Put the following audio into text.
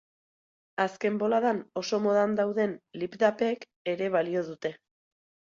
Azken boladan oso modan dauden lipdubek ere balio dute.